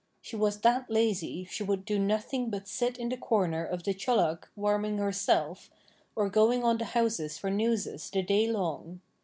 She was that lazy she would do nothing but sit in the corner of the chiollagh warming herself, or going on the houses for newses the day long.